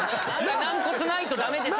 軟骨ないと駄目でしょ。